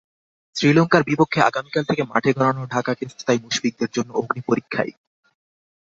শ্রীলঙ্কার বিপক্ষে আগামীকাল থেকে মাঠে গড়ানো ঢাকা টেস্ট তাই মুশফিকদের জন্য অগ্নিপরীক্ষাই।